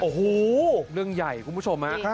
โอ้โหเรื่องใหญ่คุณผู้ชมฮะ